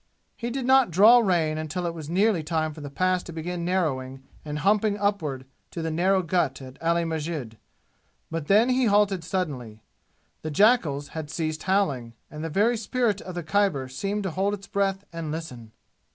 He did not draw rein until it was nearly time for the Pass to begin narrowing and humping upward to the narrow gut at Ali Masjid. But then he halted suddenly. The jackals had ceased howling, and the very spirit of the Khyber seemed to hold its breath and listen.